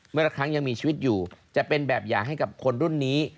เมื่อละครั้งยังมีชีวิตอยู่จะเป็นแบบอย่างให้กับคนรุ่นนี้